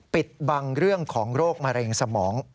ปิดบังเรื่องของโรคมะเร็งสมอง